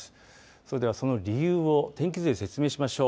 それでは、その理由を天気図で説明しましょう。